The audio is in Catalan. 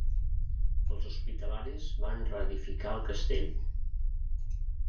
Els hospitalaris van reedificar el castell.